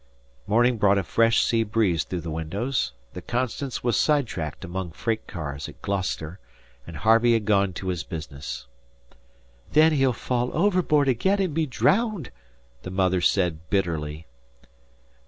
Morning brought a fresh sea breeze through the windows, the "Constance" was side tracked among freight cars at Gloucester, and Harvey had gone to his business. "Then he'll fall overboard again and be drowned," the mother said bitterly.